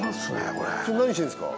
これそれ何してんですか？